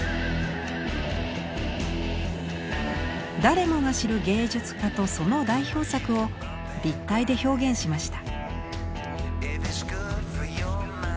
誰もが知る芸術家とその代表作を立体で表現しました。